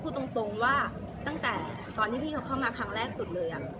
พูดตรงว่าตั้งแต่ตอนที่พี่เขาเข้ามาครั้งแรกสุดเลย